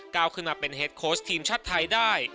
ก้าวขึ้นมาเป็นเฮดโค้ชทีมชาติไทยได้